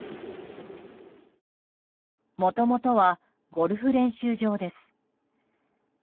もともとは、ゴルフ練習場です。